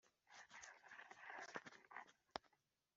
bitewe n’ubutabera bwawe bwabakurikiranaga,